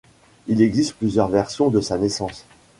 Il existe plusieurs versions de sa naissance.